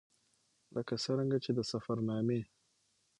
ـ لکه څرنګه چې د سفر نامې